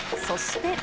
そして。